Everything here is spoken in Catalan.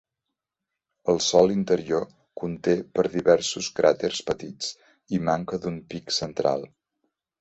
El sòl interior conté per diversos cràters petits, i manca d'un pic central.